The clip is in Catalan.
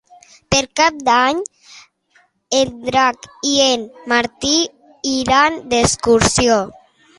Per Cap d'Any en Drac i en Martí iran d'excursió.